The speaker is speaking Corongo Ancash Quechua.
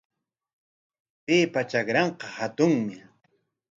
Paypa trakranqa hatunmi.